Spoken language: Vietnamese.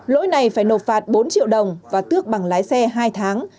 lỗi này phải nộp phạt bốn triệu đồng và tước bằng lái xe hai tháng